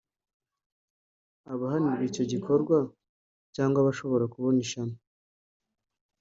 Abahanirwa icyo gikorwa cyangwa ashobora kubona ishyano